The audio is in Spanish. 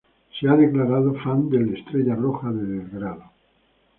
Se ha declarado fan del Estrella Roja de Belgrado.